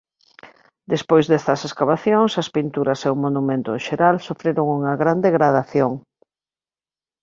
Despois destas escavacións as pinturas e o monumento en xeral sufriron unha gran degradación.